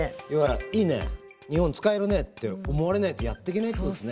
「いいね日本使えるね」って思われないとやってけないってことですね。